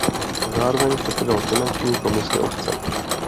Zároveň předsedal finanční komisi obce.